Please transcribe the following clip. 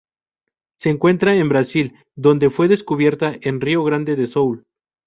Se encuentra en Brasil, donde fue descubierta en Rio Grande do Sul.